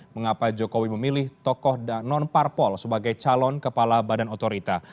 mengapa jokowi memilih tokoh dan non parpol sebagai calon kepala badan otorita